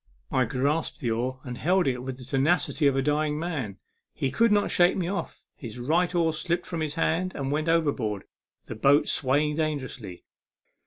I grasped the oar, and held it with the tenacity of a dying man. He could not shake me off; his right oar slipped from his hand and went overboard ; the boat swayed dangerously.